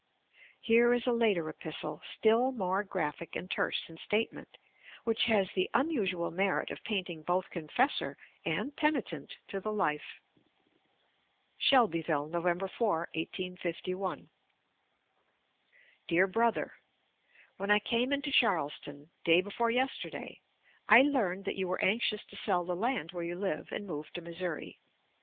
Here is a later epistle, still more graphic and terse in statement, which has the unusual merit of painting both confessor and penitent to the life: SHELBYVILLE, Nov. 4, 1851. DEAR BROTHER: When I came into Charleston, day before yesterday, I learned that you were anxious to sell the land where you live and move to Missouri.